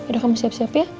udah kamu siap siap ya